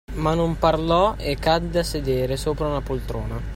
Ma non parlò e cadde a sedere sopra una poltrona.